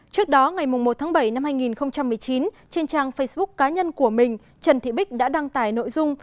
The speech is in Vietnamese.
trước đó ngày một tháng bảy năm hai nghìn một mươi chín trên trang facebook cá nhân của mình trần thị bích đã đăng tải nội dung